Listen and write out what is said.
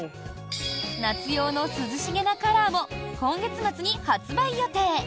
夏用の涼しげなカラーも今月末に発売予定。